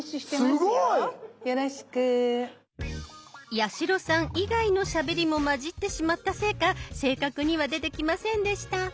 八代さん以外のしゃべりも混じってしまったせいか正確には出てきませんでした。